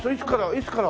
いつから？